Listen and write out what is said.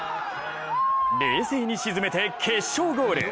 冷静に沈めて決勝ゴール。